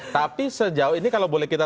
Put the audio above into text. tapi sejauh ini kalau boleh kita